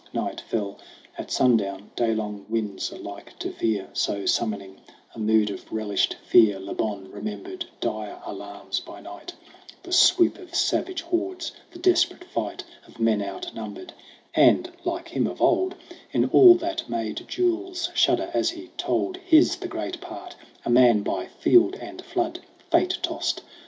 Night fell. At sundown, day long winds are like to veer; So, summoning a mood of relished fear, Le Bon remembered dire alarms by night The swoop of savage hordes, the desperate fight Of men outnumbered : and, like him of old, In all that made Jules shudder as he told, His the great part a man by field and flood Fate tossed.